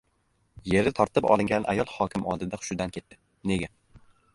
Yeri tortib olingan ayol hokim oldida hushidan ketdi. Nega?